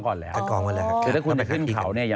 เกิดเพิ่งนี้ครับคุณจะขึ้นเขาเนี่ย